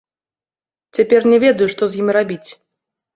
Цяпер не ведаю, што з ім рабіць.